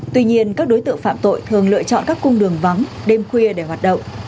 tuy nhiên các đối tượng phạm tội thường lựa chọn các cung đường vắng đêm khuya để hoạt động